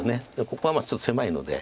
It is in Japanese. ここはちょっと狭いので。